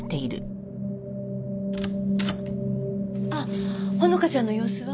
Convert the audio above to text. あっ穂花ちゃんの様子は？